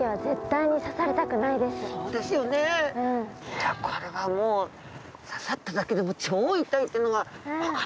いやこれはもう刺さっただけでも超痛いっていうのが分かりますね。